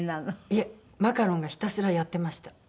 いえマカロンがひたすらやってました。